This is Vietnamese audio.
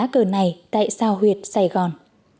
cờ này tại sao huyệt sài gòn